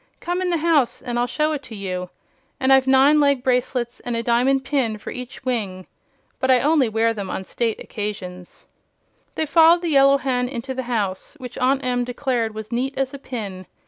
Come in the house and I'll show it to you. And I've nine leg bracelets and a diamond pin for each wing. But I only wear them on state occasions." They followed the Yellow Hen into the house, which Aunt Em declared was neat as a pin.